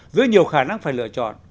dưới nhiều khả năng phải lựa chọn